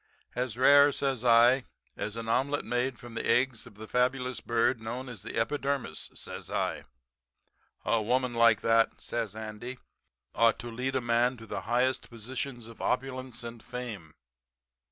"'As rare,' says I, 'as an omelet made from the eggs of the fabulous bird known as the epidermis,' says I. "'A woman like that,' says Andy, 'ought to lead a man to the highest positions of opulence and fame.'